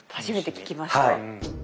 初めて聞きました。